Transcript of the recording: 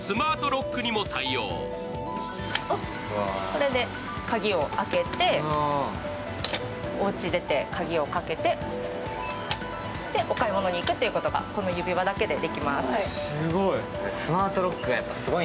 これで鍵を開けて、おうちを出て鍵をかけてお買い物に行くということがこの指輪だけでできます。